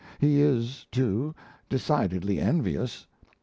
He is, too, decidedly envious.